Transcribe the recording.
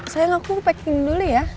sayang aku packing dulu ya